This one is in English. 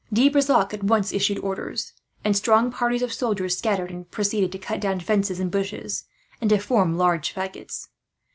De Brissac at once issued orders, and strong parties of soldiers scattered and proceeded to cut down fences and bushes, and to form large faggots.